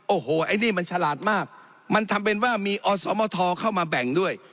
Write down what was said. โอ้โหไอ้นี่มันฉลาดมากมันทำเป็นว่ามีอสมทเข้ามาแบ่งด้วย